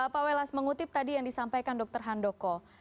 pak welas mengutip tadi yang disampaikan dr handoko